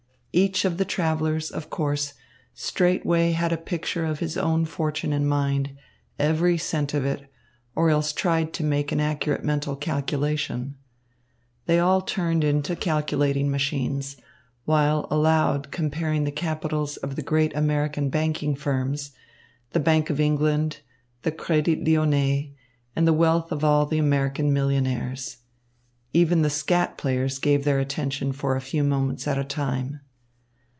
Each of the travellers, of course, straightway had a picture of his own fortune in mind, every cent of it, or else tried to make an accurate mental calculation. They all turned into calculating machines, while aloud comparing the capitals of the great American banking firms, the Bank of England, the Crédit Lyonnais and the wealth of all the American millionaires. Even the skat players gave their attention for a few moments at a time.